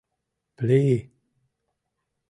— Пли!